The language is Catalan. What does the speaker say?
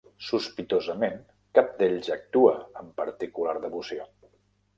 Sospitosament, cap d'ells actua amb particular devoció.